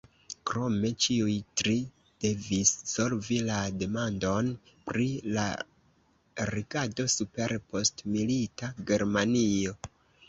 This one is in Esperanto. Krome, ĉiuj tri devis solvi la demandon pri la regado super postmilita Germanio.